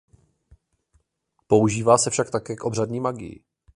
Používá se však také v obřadní magii.